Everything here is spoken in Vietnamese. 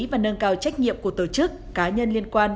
và nâng cao trách nhiệm của tổ chức cá nhân liên quan